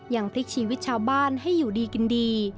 ยังพลิกชีวิตชาวบ้านให้อยู่ดีกินดี